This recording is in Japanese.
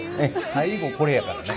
最後これやからね。